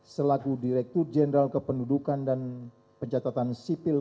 selaku direktur jenderal kependudukan dan pencatatan sipil